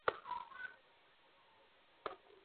BNCC, red crescent, rover scout